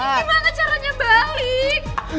gimana caranya balik